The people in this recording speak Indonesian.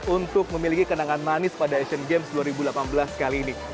untuk memiliki kenangan manis pada asian games dua ribu delapan belas kali ini